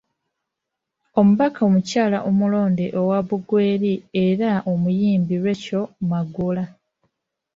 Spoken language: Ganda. Omubaka omukyala omulonde owa Bugweri era omuyimbi Rachel Magoola.